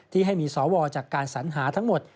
ที่ให้มีสวจากการสัญหาทั้งหมด